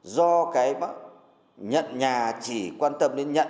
do nhà chỉ quan tâm đến nhận